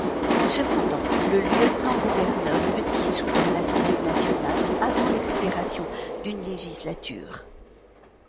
Cependant, le lieutenant-gouverneur peut dissoudre l’Assemblée nationale avant l’expiration d’une législature.